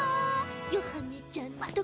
ヨハネちゃんと。